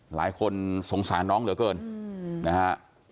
หลายคนสงสารน้องเหลือเกินนะฮะ